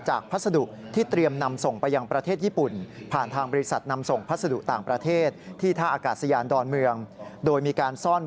จากพัสดุที่เตรียมนำส่งไปยังประเทศญี่ปุ่น